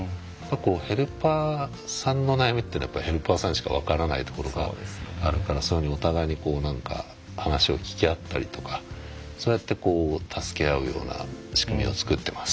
ヘルパーさんの悩みっていうのはヘルパーさんにしか分からないところがあるからそういうふうにお互いに話を聞きあったりとかそうやって助け合うような仕組みを作ってます。